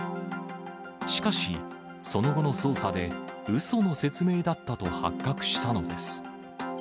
しかし、その後の捜査で、うその説明だったと発覚したのです。